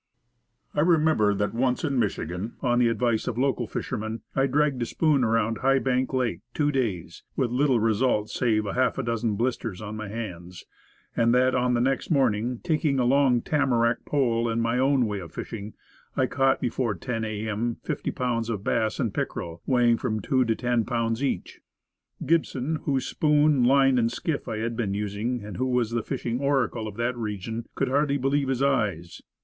I remember that once, in Michigan, on the advice of local fishermen, I dragged a spoon around High Bank Lake for two days, with little result save half a dozen blisters on my hands; and that on the next morning, taking a long tamarack pole and my own way of fishing, I caught, before 10 A. M., fifty pounds of bass and pickerel, weighing from two to ten pounds each. Gibson, whose spoon, line and skiff I had been using and who was the fishing oracle of that region, could hardly believe his eyes.